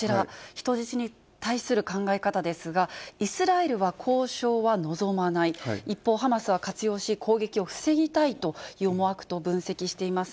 人質に対する考え方ですが、イスラエルは交渉は望まない、一方、ハマスは活用し攻撃を防ぎたいという思惑と分析しています。